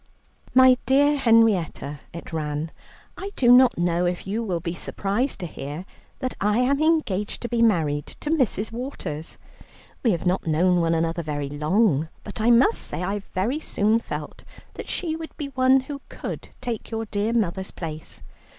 "MY DEAR HENRIETTA," it ran, "I do not know if you will be surprised to hear that I am engaged to be married to Mrs. Waters. We have not known one another very long, but I must say I very soon felt that she would be one who could take your dear mother's place.